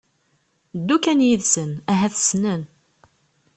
ddu kan yid-sen ahat ssnen